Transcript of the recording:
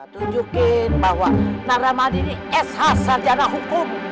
tunjukin bahwa naramadi ini sh sarjana hukum